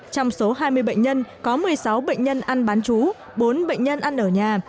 trong số hai mươi bệnh nhân có một mươi sáu bệnh nhân ăn bán chú bốn bệnh nhân ăn ở nhà